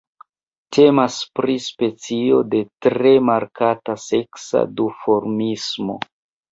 Temas pri specio de tre markata seksa duformismo.